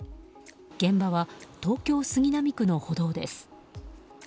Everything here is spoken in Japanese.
現場は東京・杉並区の歩道です。